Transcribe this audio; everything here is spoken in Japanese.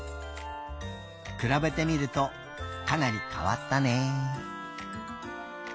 くらべてみるとかなりかわったね。